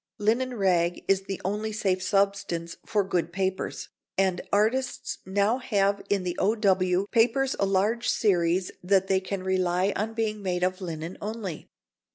Linen rag is the only safe substance for good papers, and artists now have in the O.W. papers a large series that they can rely on being made of linen only.